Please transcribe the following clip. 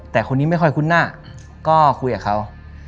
แต่คนนี้ไม่ค่อยคุ้นหน้าก็คุยกับเขา